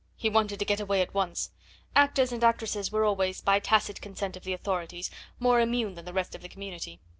He wanted to get away at once. Actors and actresses were always, by tacit consent of the authorities, more immune than the rest of the community.